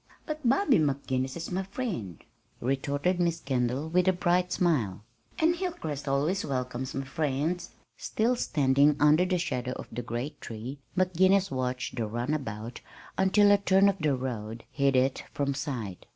"But Bobby McGinnis is my friend," retorted Miss Kendall with a bright smile, "and Hilcrest always welcomes my friends." Still standing under the shadow of the great tree, McGinnis watched the runabout until a turn of the road hid it from sight.